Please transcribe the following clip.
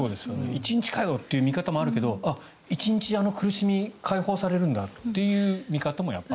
１日かよという見方もあるけど１日、あの苦しみから解放されるんだという見方もやっぱり。